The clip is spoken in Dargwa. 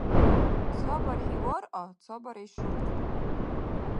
Ца бархӀи — варъа, ца бархӀи — шуркь.